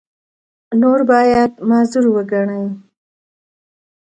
نور باید معذور وګڼي.